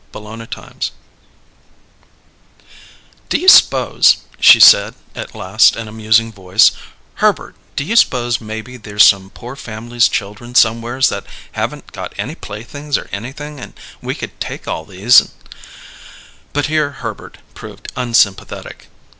CHAPTER EIGHT "Do you s'pose," she said, at last, in a musing voice: "Herbert, do you s'pose maybe there's some poor family's children somewheres that haven't got any playthings or anything and we could take all these " But here Herbert proved unsympathetic.